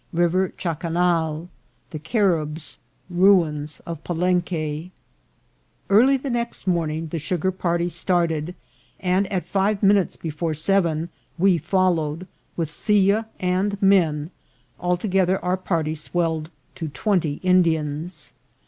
— River ChacamaL — The Caribs. — Ruins of Palenque. EARLY the next morning the sugar party started, and at five minutes before seven we followed, with silla and men, altogether our party swelled to twenty Indians.